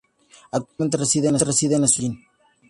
Actualmente reside en la ciudad de Medellín.